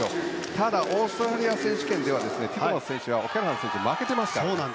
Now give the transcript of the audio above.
ただオーストラリア選手権ではティットマス選手はオキャラハン選手に負けてますから。